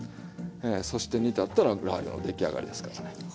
そして煮立ったらラー油の出来上がりですからね。